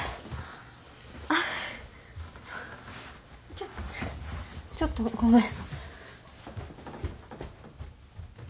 ちょちょっとごめん。